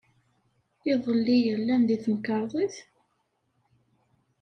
Iḍelli, llan deg temkarḍit?